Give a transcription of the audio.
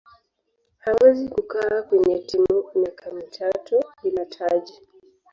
hawezi kukaaa kwenye timu miaka mitatu bila taji